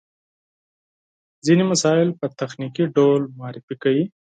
ځينې مسایل په تخنیکي ډول معرفي کوي.